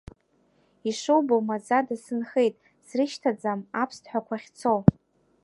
Ишубо маӡада сынхеит, срышьҭаӡам аԥсҭҳәақәа ахьцо.